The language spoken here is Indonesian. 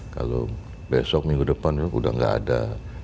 kalau besok minggu depan udah nggak ada